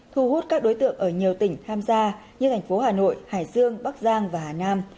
thu hút các đối tượng ở nhiều tỉnh tham gia như thành phố hà nội hải dương bắc giang và hà nam